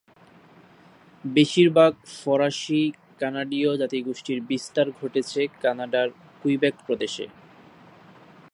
বেশিরভাগ ফরাসি কানাডীয় জাতিগোষ্ঠীর বিস্তার ঘটেছে কানাডার কুইবেক প্রদেশে।